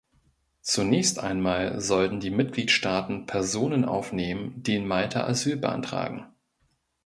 Zunächst einmal sollten die Mitgliedstaaten Personen aufnehmen, die in Malta Asyl beantragen.